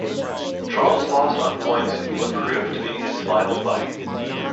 Charles lost on points in what proved to be his final fight.